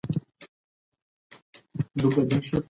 موږ د خپل کلتور رنګ نه پیکه کوو.